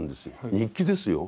日記ですよ。